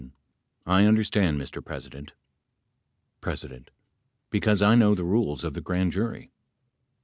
I understand, Mr. President, P. Because I know the rules of the grand jury